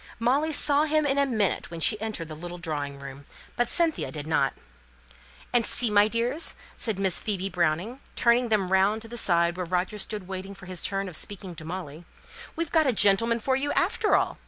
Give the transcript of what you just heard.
Molly saw him in a minute when she entered the little drawing room; but Cynthia did not. "And see, my dears," said Miss Phoebe Browning, turning them round to the side where Roger stood waiting for his turn of speaking to Molly, "we've got a gentleman for you after all!